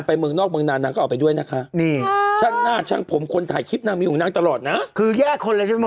ไม่รู้ว่าน้องอ้ามชมหรือเปล่า